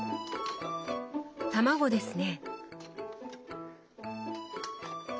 たまごですね。